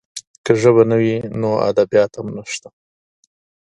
که ژبه نه وي، نو ادبیات هم نشته.